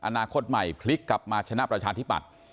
อนาคตใหม่พลิกกลับมาชนะประชาธิปัตย์